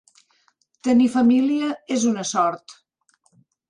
Tenir família és una sort.